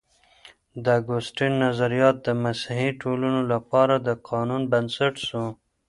د اګوستين نظريات د مسيحي ټولنو لپاره د قانون بنسټ سو.